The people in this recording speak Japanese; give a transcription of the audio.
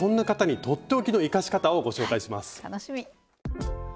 楽しみ！